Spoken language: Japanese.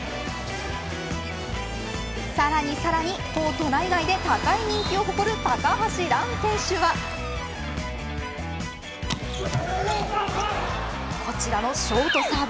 さらにさらにコート内外で高い人気を誇る高橋藍選手はこちらのショートサーブ。